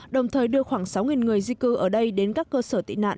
đồng thời đưa khoảng sáu người di cư ở đây đến các cơ sở tị nạn